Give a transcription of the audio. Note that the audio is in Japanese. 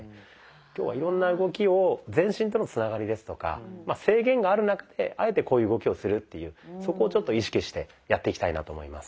今日はいろんな動きを全身とのつながりですとか制限がある中であえてこういう動きをするっていうそこをちょっと意識してやっていきたいなと思います。